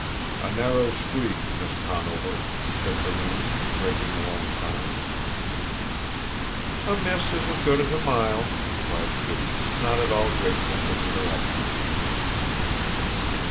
"A narrow squeak, Miss Conover," said Berumi, breaking the long silence. "A miss is as good as a mile," replied Kitty, not at all grateful for the interruption.